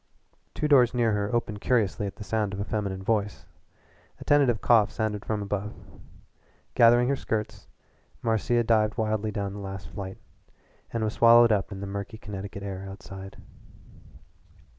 Two doors near her opened curiously at the sound of a feminine voice. A tentative cough sounded from above. Gathering her skirts, Marcia dived wildly down the last flight, and was swallowed up in the murky Connecticut air outside.